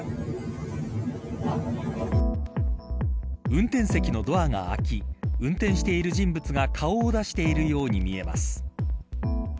運転席のドアが開き運転している人物が顔を出しているように見えます。